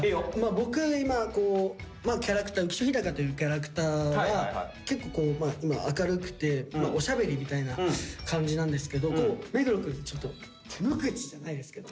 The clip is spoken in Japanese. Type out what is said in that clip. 僕今浮所飛貴というキャラクターは結構明るくておしゃべりみたいな感じなんですけど目黒くんちょっと無口じゃないですけど。